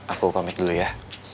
aku pamit dulu ya